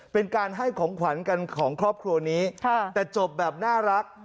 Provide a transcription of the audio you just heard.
เป็นการให้ของขวัญกันของครอบครัวนี้แต่จบแบบน่ารัก